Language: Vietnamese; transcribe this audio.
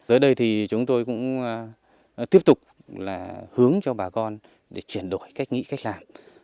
dưới đây thì chúng tôi cũng tiếp tục hướng cho bà con để chuyển đổi cách nghĩ cách làm